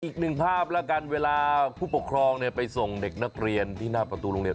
อีกหนึ่งภาพแล้วกันเวลาผู้ปกครองไปส่งเด็กนักเรียนที่หน้าประตูโรงเรียน